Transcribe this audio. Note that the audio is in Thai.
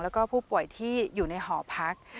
แล้วก็ผู้ป่วยที่อยู่ในหอพัก